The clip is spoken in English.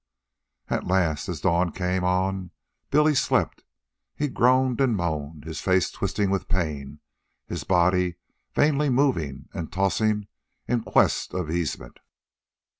At last, as dawn came on, Billy slept. He groaned and moaned, his face twisting with pain, his body vainly moving and tossing in quest of easement.